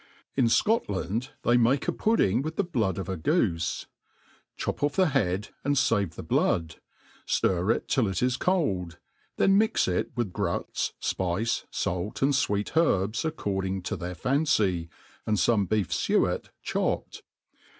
In Scotland they make a pudding with the blood of a gocrfe* Chop oiF the head, and fave the blood ; iHr it till it is cold, then mfx it with gruts, fpice, fait, and fweet herbs, according to their fancy, and fome beef fuet chopped.